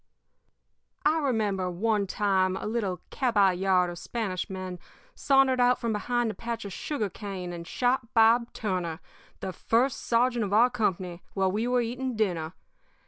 "I remember, one time, a little caballard of Spanish men sauntered out from behind a patch of sugar cane and shot Bob Turner, the first sergeant of our company, while we were eating dinner.